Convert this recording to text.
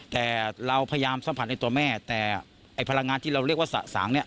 แต่เราพยายามสัมผัสในตัวแม่แต่ไอ้พลังงานที่เราเรียกว่าสะสางเนี่ย